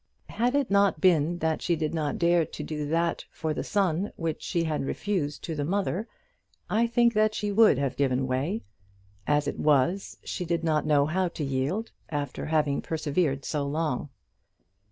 Had it not been that she did not dare to do that for the son which she had refused to the mother, I think that she would have given way. As it was, she did not know how to yield, after having persevered so long.